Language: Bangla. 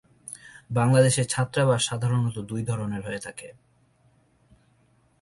বাংলাদেশে ছাত্রাবাস সাধারণত দুই ধরনের হয়ে থাকে।